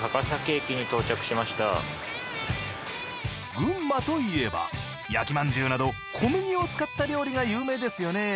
群馬といえば焼きまんじゅうなど小麦を使った料理が有名ですよね。